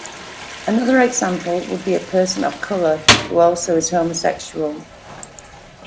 Another example would be a person of color who also is homosexual.